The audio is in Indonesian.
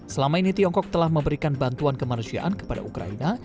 selama ini tiongkok telah memberikan bantuan kemanusiaan kepada ukraina